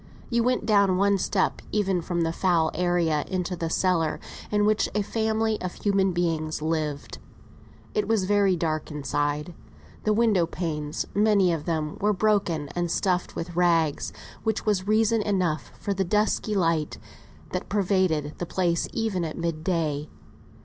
You went down one step even from the foul area into the cellar in which a family of human beings lived. It was very dark inside. The window panes were, many of them, broken and stuffed with rags, which was reason enough for the dusky light that pervaded the place even at mid day.